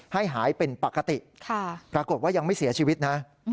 ให้หายเป็นปกติปรากฏว่ายังไม่เสียชีวิตนะ